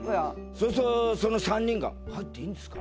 そうするとその３人が入っていいんですか？